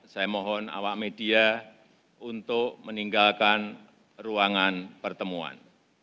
saya mohon awak media untuk meninggalkan ruangan pertemuan